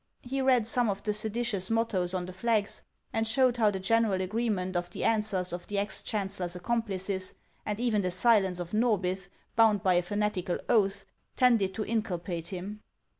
He read some of the seditious mottoes on the flags, and showed how the general agreement of the answers of the ex chancellor's accomplices, and even the silence of Norbith bound by a fanatical oath, tended to inculpate him.